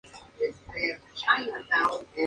Es nativo de Guatemala.